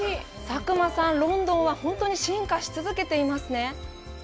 佐久間さん、ロンドンは本当に進化し続けていますね。